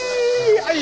はい。